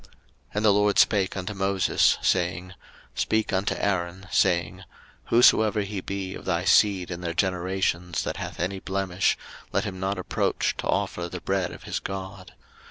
03:021:016 And the LORD spake unto Moses, saying, 03:021:017 Speak unto Aaron, saying, Whosoever he be of thy seed in their generations that hath any blemish, let him not approach to offer the bread of his God.